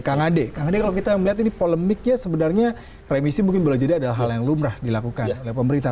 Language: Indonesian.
kang ade kang ade kalau kita melihat ini polemiknya sebenarnya remisi mungkin boleh jadi adalah hal yang lumrah dilakukan oleh pemerintah